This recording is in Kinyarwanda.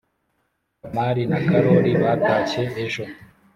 kamari na kalori batashye ejo